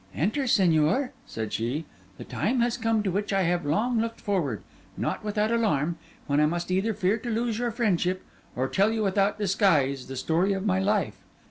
'Enter, Señor,' said she. 'The time has come to which I have long looked forward, not without alarm; when I must either fear to lose your friendship, or tell you without disguise the story of my life.